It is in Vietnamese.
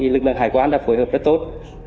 lực lượng hải quan đã phối hợp rất tốt